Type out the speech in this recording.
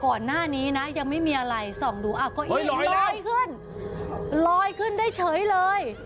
ก่อนหน้านี้นะยังไม่มีอะไรส่องดูอ้าวเก้าอี้ลอยขึ้นลอยขึ้นได้เฉยเลย